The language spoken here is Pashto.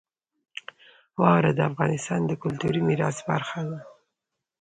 واوره د افغانستان د کلتوري میراث برخه ده.